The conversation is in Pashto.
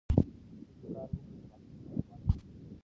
که ښځې کار وکړي نو مارکیټونه به بند نه وي.